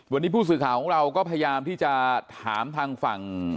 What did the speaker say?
วันนี้ผู้สื่อข่าวของเราก็พยายามที่จะถามทางฝั่ง